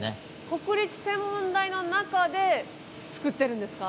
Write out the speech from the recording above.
国立天文台の中で作ってるんですか？